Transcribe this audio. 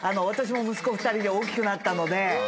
私も息子２人で大きくなったので。